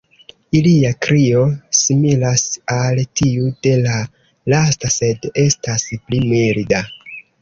Ilia krio similas al tiu de la lasta sed estas pli milda.